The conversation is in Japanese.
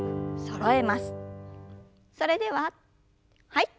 それでははい。